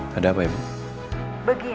padahal harus damai